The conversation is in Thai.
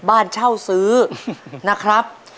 บ้านเช่าซื้อนะครับ